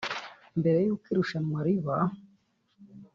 Mbere y’uko irushanwa riba